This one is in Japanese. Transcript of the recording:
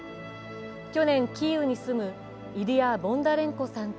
去年、キーウに住むイリア・ボンダレンコさんと